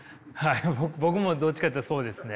僕もどっちかというとそうですね。